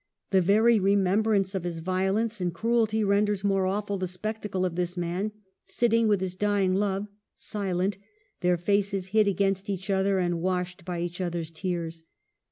The very remembrance of his violence and cruelty ren ders more awful the spectacle of this man, sit ting with his dying love, silent ; their faces hid against each other, and washed by each other's tears.